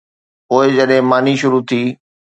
پوءِ جڏهن ماني شروع ٿي.